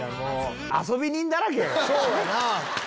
遊び人だらけやん！